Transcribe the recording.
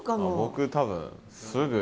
僕多分すぐ。